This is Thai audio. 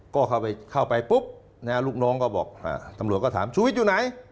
ก็เข้าไปปุ๊บลูกน้องก็บอกตำรวจก็ถามชูวิทย์อยู่ไหน